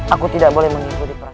aku tidak boleh mengikuti perang